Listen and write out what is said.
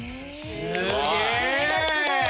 すげえ！